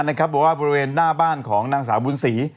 ร่วมนอกว่าบริเวณหน้าบ้านของนางบูนศรี